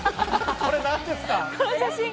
これ何ですか？